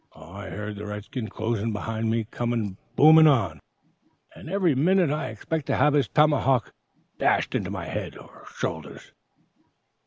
I heard the red skin close behind me coming booming on, and every minute I expected to have his tomahawk dashed into my head or shoulders.